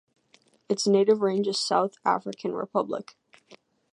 Its native range is South African Republic.